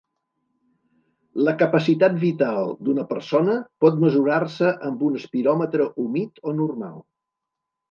La capacitat vital d'una persona pot mesurar-se amb un espiròmetre humit o normal.